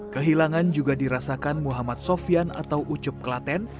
kehilangan juga dirasakan muhammad sofian atau ucup klaten